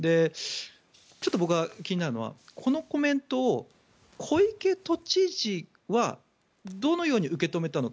ちょっと僕が気になるのはこのコメントを小池都知事はどのように受け止めたのか。